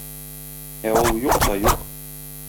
Ә ул юк та юк.